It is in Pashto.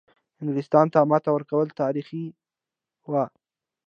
انګلیستان ته ماتې ورکول تاریخي وه.